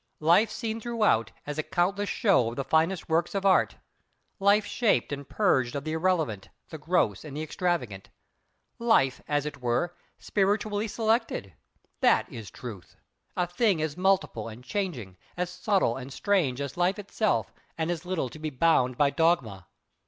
Life seen throughout as a countless show of the finest works of Art; Life shaped, and purged of the irrelevant, the gross, and the extravagant; Life, as it were, spiritually selected—that is Truth; a thing as multiple, and changing, as subtle, and strange, as Life itself, and as little to be bound by dogma.